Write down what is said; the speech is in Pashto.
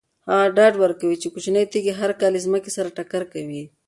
هغه ډاډ ورکوي چې کوچنۍ تیږې هر کال له ځمکې سره ټکر کوي.